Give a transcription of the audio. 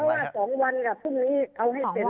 เร่งรัดเพราะว่า๒วันค่ะพรุ่งนี้เอาให้เสร็จเลย